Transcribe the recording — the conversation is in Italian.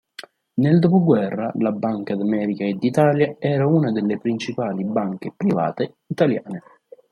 Nel Dopoguerra la "Banca d'America e d'Italia" era una delle principali banche private italiane.